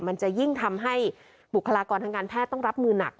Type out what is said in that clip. มันจะยิ่งทำให้บุคลากรทางการแพทย์ต้องรับมือหนัก